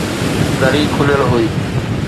دري کليل هئي